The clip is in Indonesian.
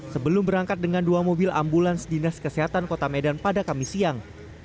sebelum berangkat dengan dua mobil ambulans dinas kesehatan kota medan pada kamis siang